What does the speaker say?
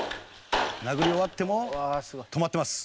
「殴り終わっても止まってます」